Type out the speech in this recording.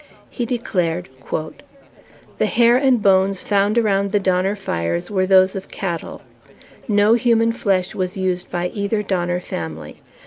He declared, The hair and bones found around the Donner fires were those of cattle. No human flesh was used by either Donner family.